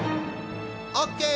オッケー！